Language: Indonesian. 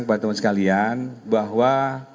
kepada teman sekalian bahwa